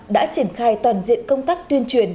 đã triển khai toàn diện công tác tuyên truyền